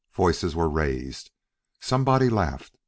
Voices were raised. Somebody laughed.